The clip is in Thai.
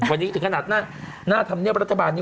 วันนี้ถึงขนาดหน้าธรรมเนียบรัฐบาลนี้